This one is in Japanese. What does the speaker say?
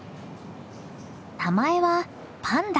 名前はパンダ。